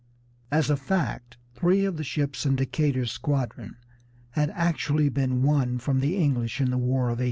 As a fact three of the ships in Decatur's squadron had actually been won from the English in the War of 1812.